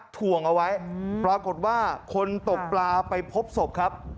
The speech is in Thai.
ถ่วงเอาไว้ปรากฏว่าคนตกปลาไปพบศพครับ